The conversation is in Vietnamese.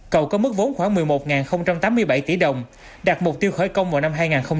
cầu có mức vốn khoảng một mươi một tám mươi bảy tỷ đồng đạt mục tiêu khởi công vào năm hai nghìn hai mươi